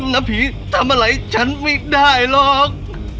นะผีทำอะไรฉันไม่ได้หรอก